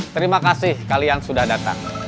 terima kasih kalian sudah datang